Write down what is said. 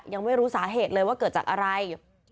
ยังไม่รู้สาเหตุเลยว่าเกิดจากอะไร